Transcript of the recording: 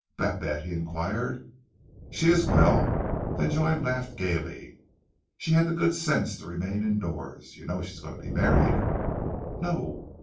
"Babette?" he inquired. "She is well!" Then Joy laughed gaily. "She had the good sense to remain indoors. You know she is going to be married." "No?"